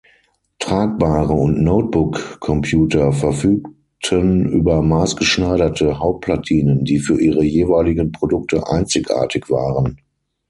Tragbare und Notebook-Computer verfügten über maßgeschneiderte Hauptplatinen, die für ihre jeweiligen Produkte einzigartig waren.